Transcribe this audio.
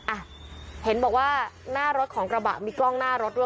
อ่ะเห็นบอกว่าหน้ารถของกระบะมีกล้องหน้ารถด้วย